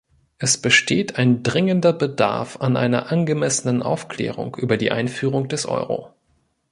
Es besteht ein dringender Bedarf an einer angemessenen Aufklärung über die Einführung des Euro.